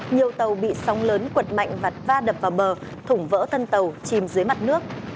nhiều tàu bị sóng lớn quật mạnh và va đập vào bờ thủng vỡ thân tàu chìm dưới mặt nước